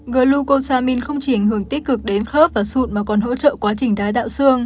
glucosamine không chỉ ảnh hưởng tích cực đến khớp và sụn mà còn hỗ trợ quá trình tái tạo sương